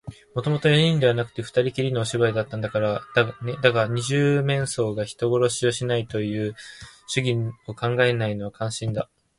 もともと四人ではなくて、ふたりきりのお芝居だったんだからね。だが、二十面相が人殺しをしないという主義をかえないのは感心だ。